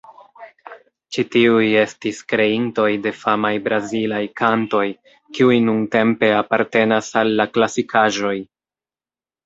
Ĉi tiuj estis kreintoj de famaj brazilaj kantoj, kiuj nuntempe apartenas al la klasikaĵoj.